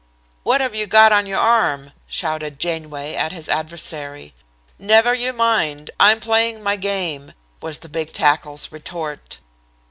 "'What have you got on your arm?' shouted Janeway at his adversary. "'Never you mind. I'm playing my game,' was the big tackle's retort.